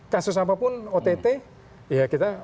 kasus apapun ott ya kita